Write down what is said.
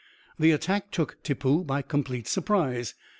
The attack took Tippoo by complete surprise.